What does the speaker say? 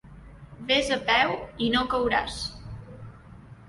Ves a peu i no cauràs.